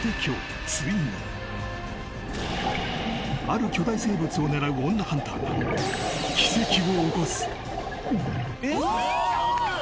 ある巨大生物を狙う女ハンターが奇跡を起こす！